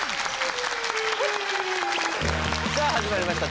さあ始まりました